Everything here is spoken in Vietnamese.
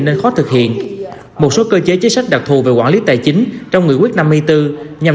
nên khó thực hiện một số cơ chế chính sách đặc thù về quản lý tài chính trong nghị quyết năm mươi bốn nhằm